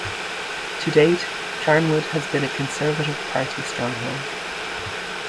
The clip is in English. To date Charnwood has been a Conservative Party stronghold.